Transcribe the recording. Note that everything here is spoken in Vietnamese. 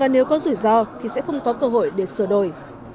nếu có rủi ro thì sẽ không có cơ hội để sửa đổi